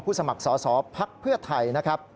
ผู้สมัครสอสอภักดิ์เพื่อไทย